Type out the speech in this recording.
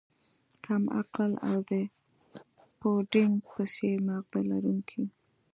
کم عقل او د پوډینګ په څیر ماغزه لرونکی